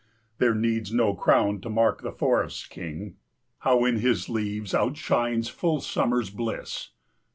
There needs no crown to mark the forest's king; How in his leaves outshines full summer's bliss!